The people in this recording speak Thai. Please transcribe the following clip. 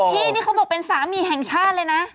ที่นี่เขาบอกเป็นสามีแห่งชาติเลยนะ